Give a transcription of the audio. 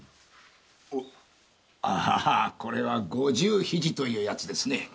ああこれは五十ひじというやつですね。